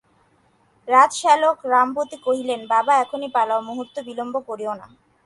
রাজশ্যালক রমাপতি কহিলেন, বাবা, এখনই পালাও, মুহূর্ত বিলম্ব করিয়ো না।